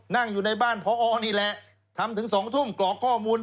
นั่งอยู่ในบ้านพอนี่แหละทำถึง๒ทุ่มกรอกข้อมูล